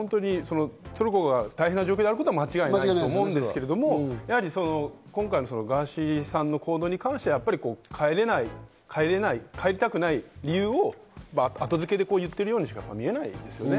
トルコが大変な状況であることは間違いないと思うんですけれども、今回のガーシーさんの行動に関しては、帰れない、帰りたくない理由を後付けで言ってるようにしか見えないんですよね。